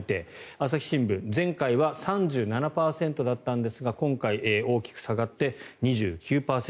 朝日新聞前回は３７％だったんですが今回大きく下がって２９％。